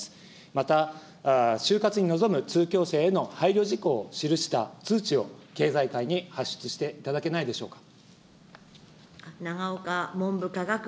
また、就活に臨む通教生への配慮事項を記した通知を経済界に発出していただけないでしょうか。